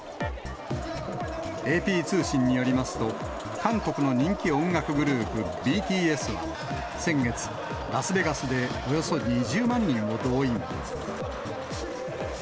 ＡＰ通信によりますと、韓国の人気音楽グループ、ＢＴＳは、先月、ラスベガスでおよそ２０万人を動員。